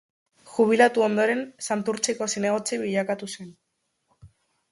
Jubilatu ondoren, Santurtziko zinegotzi bilakatu zen.